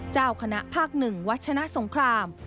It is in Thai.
เจ้าคณะภาคหนึ่งวัชชนะสงคราม